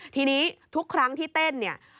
ทีนี้ทุกครั้งที่เต้น